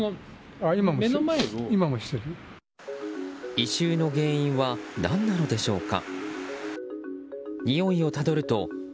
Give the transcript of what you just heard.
異臭の原因は何なのでしょうか。